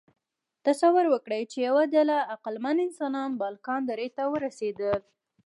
تصور وکړئ، یوه ډله عقلمن انسانان بالکان درې ته ورسېدل.